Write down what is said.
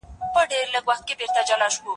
موژ باید د وخت په ارزښت پوه شو